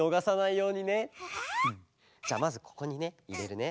じゃあまずここにねいれるね。